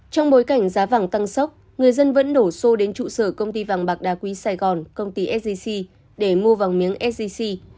trong bối cảnh giá vàng tăng sốc người dân vẫn đổ xô đến trụ sở công ty vàng bạc đa quý sài gòn công ty sgc để mua vàng miếng sgc